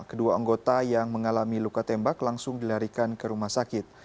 kedua anggota yang mengalami luka tembak langsung dilarikan ke rumah sakit